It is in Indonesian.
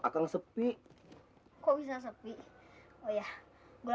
akan sepi kok bisa sepi oh ya gua pasti sekilo itu dia setelah ada warung yang besar di sana